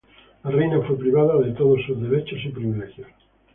La reina fue privada de todos sus derechos y privilegios.